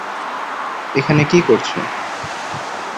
এখানে কী করছ?